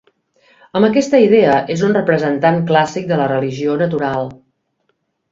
Amb aquesta idea, és un representant clàssic de la religió natural.